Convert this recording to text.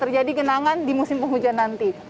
terjadi genangan di musim penghujan nanti